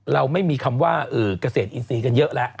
เราไม่มีคำว่าเกษตรอินทรีย์กันเยอะแล้ว